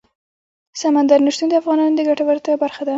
سمندر نه شتون د افغانانو د ګټورتیا برخه ده.